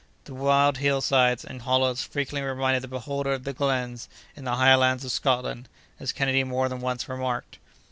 The wild hill sides and hollows frequently reminded the beholder of the glens in the Highlands of Scotland, as Kennedy more than once remarked.